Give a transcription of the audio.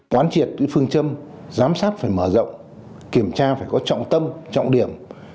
quán triệt phương châm giám sát phải mở rộng kiểm tra phải có trọng tâm trọng điểm